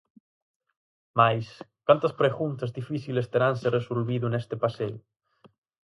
Mais, cantas preguntas difíciles teranse resolvido neste paseo?